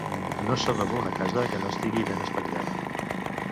No s'adoba una casa que no estigui ben espatllada.